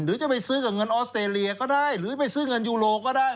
หรือจะไปซื้อกับเงินออสเตรเลียก็ได้หรือไปซื้อเงินยูโรก็ได้